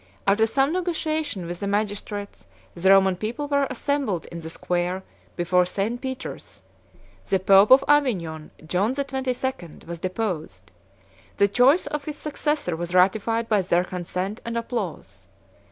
After some negotiation with the magistrates, the Roman people were assembled 73 in the square before St. Peter's: the pope of Avignon, John the Twenty second, was deposed: the choice of his successor was ratified by their consent and applause.